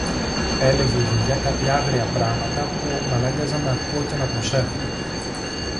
Έλεγε η Γιαγιά κάτι άγρια πράματα που μ' ανάγκαζαν ν' ακούω και να προσέχω.